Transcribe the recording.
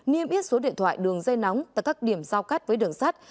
niêm ít số điện thoại đường dây nóng tại các điểm sao cắt với đường sắt